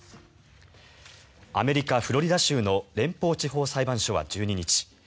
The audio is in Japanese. アメリカ・フロリダ州の連邦地方裁判所は１２日